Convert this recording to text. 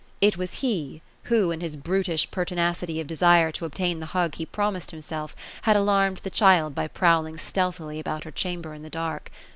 It was he, who, in his brutish pertinacity of desire to obtain the hug he prom ised himself, had alarmed the child by prowling stealthily about her chamber in the dark.